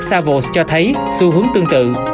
savos cho thấy xu hướng tương tự